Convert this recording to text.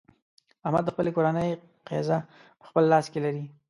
احمد د خپلې کورنۍ قېزه په خپل لاس کې لري.